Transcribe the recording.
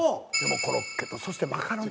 コロッケとそしてマカロニ。